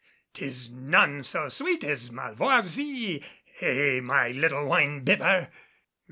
'Tis none so sweet as malvoisie, eh, my little wine bibber?"